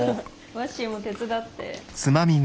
ワッシーも手伝って。